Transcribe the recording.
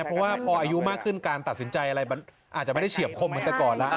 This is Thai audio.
เพราะว่าอายุมากขึ้นการตัดสินใจอาจจะไม่ได้เฉียบคมเมื่อเรื่องก่อน